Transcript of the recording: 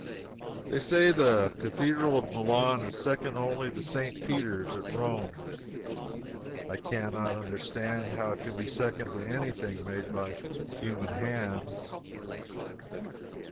They say that the Cathedral of Milan is second only to St. Peter's at Rome. I cannot understand how it can be second to anything made by human hands.